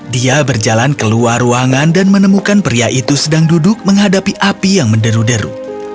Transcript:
dia berjalan keluar ruangan dan menemukan pria itu sedang duduk menghadapi api yang menderu deru